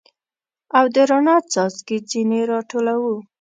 او د رڼا څاڅکي ځیني را ټولوو